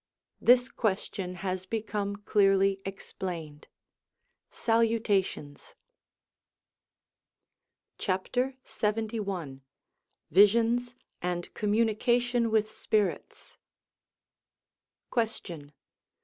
This question has become clearly explained. Salutations ! LXXI VISIONS, AND COMMUNICATION WITH SPIRITS Question.